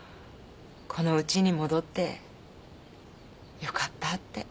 このウチに戻ってよかったって。